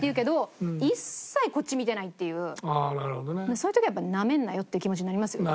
そういう時はナメんなよっていう気持ちになりますよね。